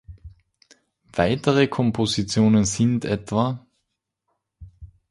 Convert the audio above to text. Weitere Kompositionen sind etwa